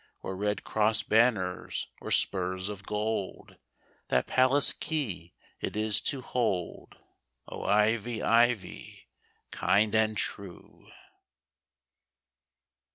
Or red cross banners, or spurs of gold. That palace key it is to hold, O, Ivy, Ivy, kind and true